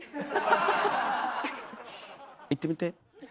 いってみて。